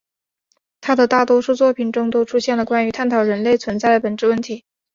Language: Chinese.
他的大多数作品中都出现了关于探讨人类存在的本质问题。